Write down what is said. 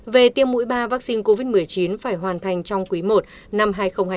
về tiêm mũi ba vắc xin covid một mươi chín phải hoàn thành trong quý i năm hai nghìn hai mươi hai